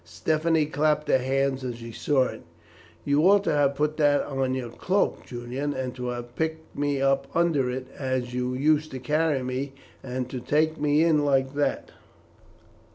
Stephanie clapped her hands as she saw it. "You ought to have put on your cloak, Julian, and to have packed me up under it as you used to carry me, and to take me in like that."